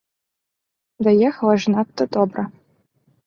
Даехаў аж надта добра.